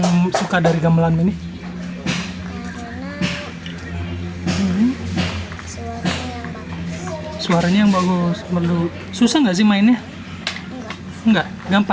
buat belajar musik